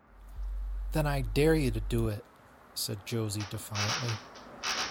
“Then I dare you to do it,” said Josie defiantly.